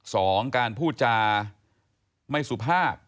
สองการพูดจาไม่สุภาพ